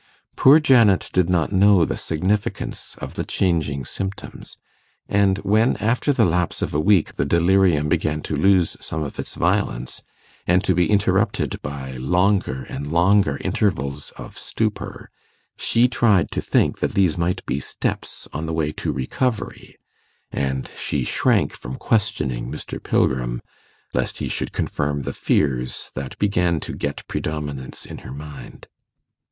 Poor Janet did not know the significance of the changing symptoms, and when, after the lapse of a week, the delirium began to lose some of its violence, and to be interrupted by longer and longer intervals of stupor, she tried to think that these might be steps on the way to recovery, and she shrank from questioning Mr. Pilgrim lest he should confirm the fears that began to get predominance in her mind.